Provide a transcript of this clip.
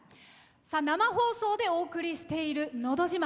生放送でお送りしている「のど自慢」。